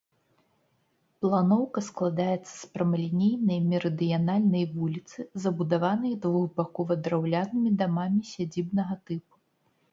Планоўка складаецца з прамалінейнай мерыдыянальнай вуліцы, забудаванай двухбакова драўлянымі дамамі сядзібнага тыпу.